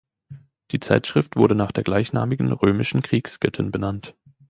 Die Zeitschrift wurde nach der gleichnamigen römischen Kriegsgöttin benannt.